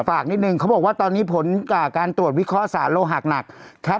ฝากนิดหนึ่งเค้าบอกว่าตอนนี้ผลกนการตรวจวิเคราะห์หรอกหากหนัก